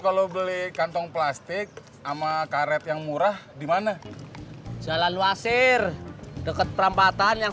kalau beli kantong plastik sama karet yang murah dimana jalan wasir dekat perampatan yang